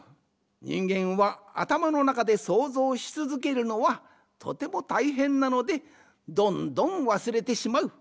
にんげんはあたまのなかで想像しつづけるのはとてもたいへんなのでどんどんわすれてしまう。